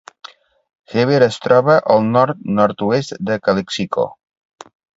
Heber es troba al nord-nord-oest de Calexico.